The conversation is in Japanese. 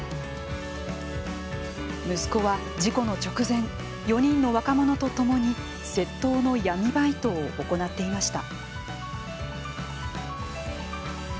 息子は事故の直前４人の若者と共に窃盗の闇バイトを行っていました。